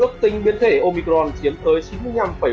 ước tính biến thể omicron chiến tới chín mươi năm bốn